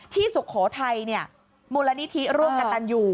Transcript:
สุโขทัยมูลนิธิร่วมกับตันอยู่